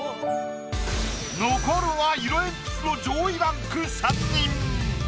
残るは色鉛筆の上位ランク三人。